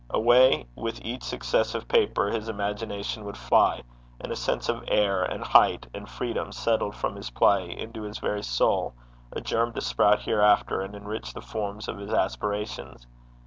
Away with each successive paper his imagination would fly, and a sense of air, and height, and freedom settled from his play into his very soul, a germ to sprout hereafter, and enrich the forms of his aspirations.